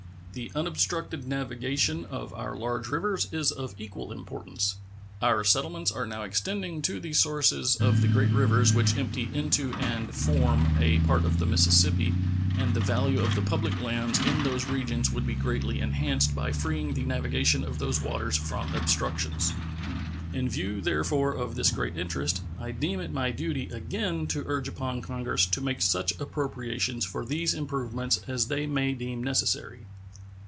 The unobstructed navigation of our large rivers is of equal importance. Our settlements are now extending to the sources of the great rivers which empty into and form a part of the Mississippi, and the value of the public lands in those regions would be greatly enhanced by freeing the navigation of those waters from obstructions. In view, therefore, of this great interest, I deem it my duty again to urge upon Congress to make such appropriations for these improvements as they may deem necessary.